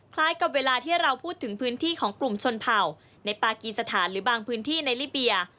คล้ายกับเวลาที่เราพูดถึงพื้นที่ของกลุ่มชนเผ่าในปากีสถานหรือบางพื้นที่ในลิเบีย